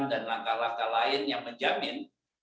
dan langkah langkah lain yang menjamin